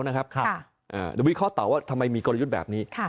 เดี๋ยววิเคราะห์ต่อว่าทำไมมีกลยุทธ์แบบนี้